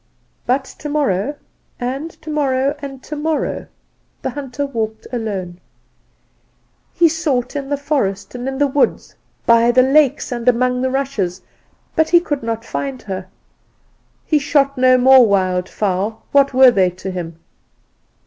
"But tomorrow, and tomorrow, and tomorrow the hunter walked alone. He sought in the forest and in the woods, by the lakes and among the rushes, but he could not find her. He shot no more wild fowl; what were they to him?